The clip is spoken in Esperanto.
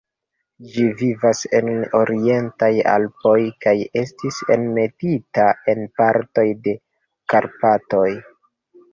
Ĝi vivas en la Orientaj Alpoj, kaj estis enmetita en partoj de Karpatoj.